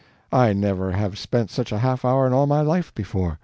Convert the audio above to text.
"I never have spent such a half hour in all my life before!"